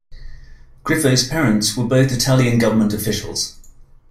Grifo's parents were both Italian government officials.